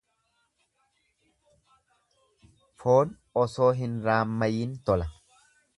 Foon osoo hin raammayiin tola.